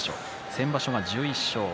先場所が１１勝。